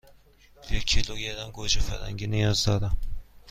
یک کیلوگرم گوجه فرنگی نیاز دارم.